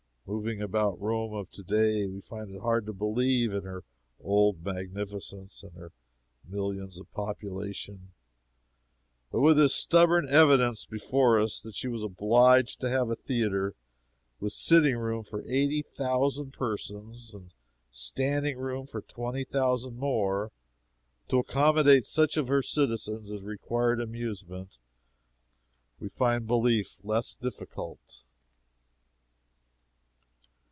Moving about the Rome of to day, we might find it hard to believe in her old magnificence and her millions of population; but with this stubborn evidence before us that she was obliged to have a theatre with sitting room for eighty thousand persons and standing room for twenty thousand more, to accommodate such of her citizens as required amusement, we find belief less difficult.